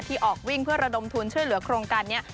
ออกวิ่งเพื่อระดมทุนช่วยเหลือโครงการนี้